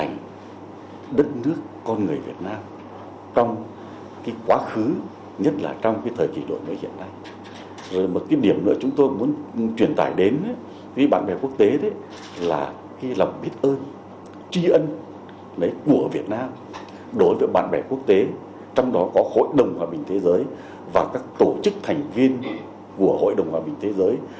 hội đồng hòa bình thế giới và các tổ chức thành viên của hội đồng hòa bình thế giới